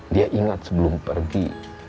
dia ingat sebelum pergi